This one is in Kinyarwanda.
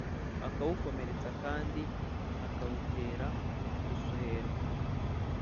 akawukomeretsa, kandi akawutera gusuherwa;